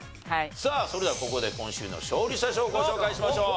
さあそれではここで今週の勝利者賞をご紹介しましょう。